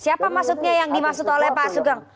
siapa maksudnya yang dimaksud oleh pak sugeng